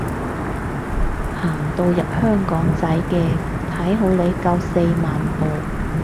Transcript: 行到入香港仔嘅，睇好你夠四萬步